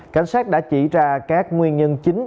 cảnh sát đã chỉ ra các nguyên nhân chính